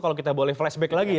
kalau kita boleh flashback lagi ya